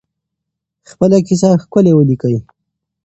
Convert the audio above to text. خپله کیسه ښکلې ولیکئ.